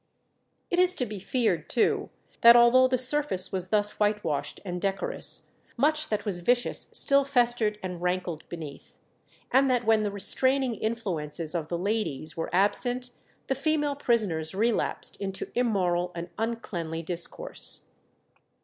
It is to be feared too that although the surface was thus whitewashed and decorous, much that was vicious still festered and rankled beneath, and that when the restraining influences of the ladies were absent, the female prisoners relapsed into immoral and uncleanly discourse.